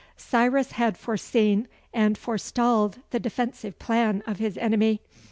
Cyrus had forseen and forestalled the defensive plan of his enemy.